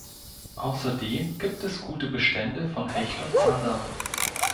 Außerdem gibt es gute Bestände von Hecht und Zander.